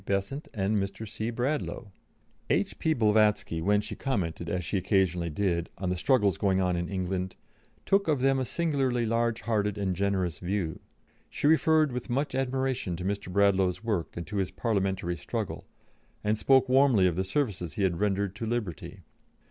Besant and Mr. C. Bradlaugh." H.P. Blavatsky, when she commented, as she occasionally did, on the struggles going on in England, took of them a singularly large hearted and generous view. She referred with much admiration to Mr. Bradlaugh's work and to his Parliamentary struggle, and spoke warmly of the services he had rendered to liberty.